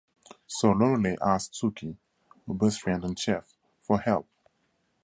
So Lorelai asked Sookie, her best friend and chef, for help.